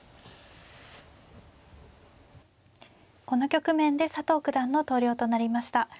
この局面で佐藤九段の投了となりました。